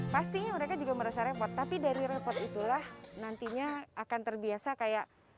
pastinya mereka juga merasa repot tapi dari repot itulah nantinya akan terbiasa kayak